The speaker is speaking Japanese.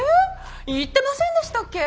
言ってませんでしたっけ？